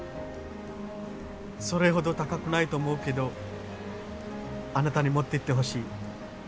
それほど高くないと思うけどあなたに持っていてほしい。